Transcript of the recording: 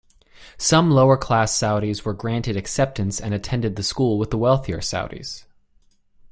Some lower class Saudis were granted acceptance and attended the school with wealthier Saudis.